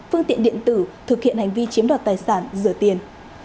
phương tiện điện tử thực hiện hành vi chiếm đoạt tài sản rửa tiền